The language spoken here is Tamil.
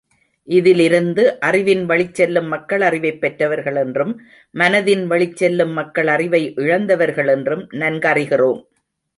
இதிலிருந்து அறிவின் வழிச்செல்லும் மக்கள் அறிவைப் பெற்றவர்கள் என்றும், மனதின்வழிச் செல்லும் மக்கள் அறிவை இழந்தவர்கள் என்றும் நன்கறிகிறோம்.